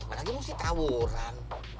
apalagi mesti tawuran